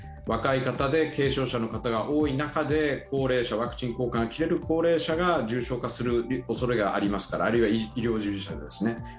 若い方で軽症者が多い中で、ワクチン効果が切れる高齢者が重症化するおそれがあります、あるいは医療従事者ですね。